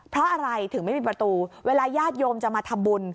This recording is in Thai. เพราะอะไรถึงไม่มีประตูเวลาญาติโยมจะมาทำบุญ